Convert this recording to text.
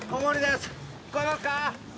聞こえますか？